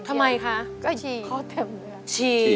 ทำไมคะก็ชี้เขาเต็มเลยค่ะชี้